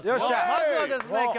まずはですね曲